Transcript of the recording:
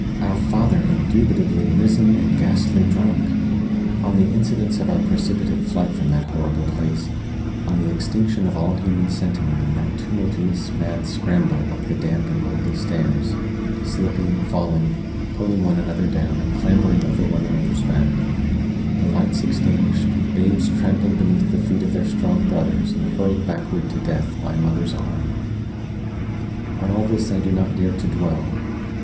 —our father indubitably risen and ghastly drunk! On the incidents of our precipitate flight from that horrible place—on the extinction of all human sentiment in that tumultuous, mad scramble up the damp and mouldy stairs—slipping, falling, pulling one another down and clambering over one another's back—the lights extinguished, babes trampled beneath the feet of their strong brothers and hurled backward to death by a mother's arm!—on all this I do not dare to dwell.